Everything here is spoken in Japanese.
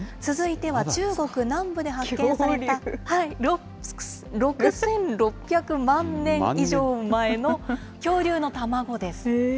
続いては中国南部で発見された６６００万年以上前の恐竜の卵です。